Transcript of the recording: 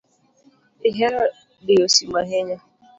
Ihero diyo simu ahinya.